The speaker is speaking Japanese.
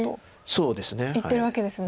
そうですね。